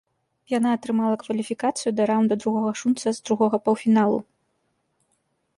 Яна атрымала кваліфікацыю да раўнда другога шунца з другога паўфіналу.